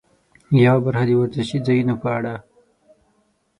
یوه برخه د ورزشي ځایونو په اړه.